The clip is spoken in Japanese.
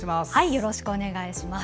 よろしくお願いします。